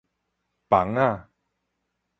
枋仔